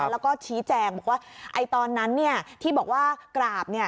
แล้วก็ชี้แจงบอกว่าตอนนั้นที่บอกว่ากราบ